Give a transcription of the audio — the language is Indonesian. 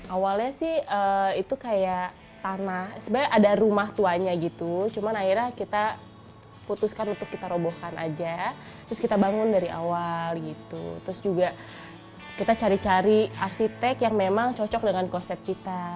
awalnya sih itu kayak tanah sebenarnya ada rumah tuanya gitu cuman akhirnya kita putuskan untuk kita robohkan aja terus kita bangun dari awal gitu terus juga kita cari cari arsitek yang memang cocok dengan konsep kita